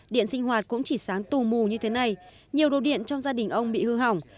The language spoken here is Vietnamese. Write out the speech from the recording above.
điện sinh hoạt cũng chỉ sáng tù mù như thế này nhiều đồ điện trong gia đình ông bị hư hỏng